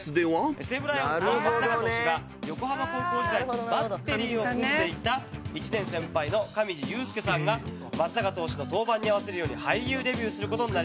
「西武ライオンズの松坂投手が横浜高校時代バッテリーを組んでいた１年先輩の上地雄輔さんが松坂投手の登板に合わせるように俳優デビューすることになりました」